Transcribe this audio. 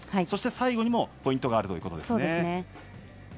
そして最後にもポイントがあるということですね。